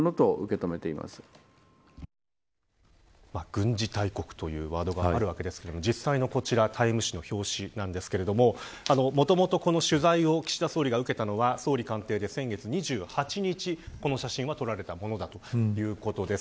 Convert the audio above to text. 軍事大国というワードがあるわけですが実際のタイム誌の表紙なんですがもともと取材を岸田総理が受けたのは総理官邸で先月２８日、この写真は撮られたものだということです。